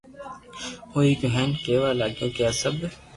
ھوئي گيو ھين ڪيوا لاگيو ڪي آ سب